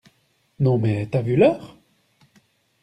Non mais t'as vu l'heure?